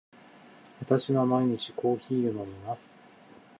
私は毎日コーヒーを飲みます。